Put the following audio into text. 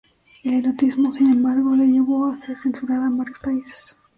El erotismo, sin embargo, le llevó a ser censurada en varios paises.